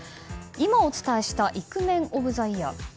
今お伝えしたイクメンオブザイヤー。